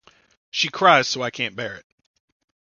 She cries so I can’t bear it.